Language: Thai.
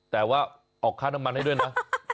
แต่ว่าออกค่าน้ำมันให้ด้วยนะ